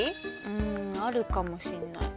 うんあるかもしんない。